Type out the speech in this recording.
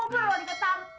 nanti gue kubur lu dikesan